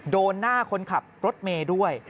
โดนหน้าคนขับรถเมย์ด้วย